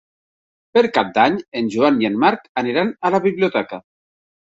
Per Cap d'Any en Joan i en Marc aniran a la biblioteca.